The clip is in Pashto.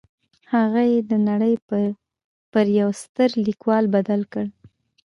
هغه يې د نړۍ پر يوه ستر ليکوال بدل کړ.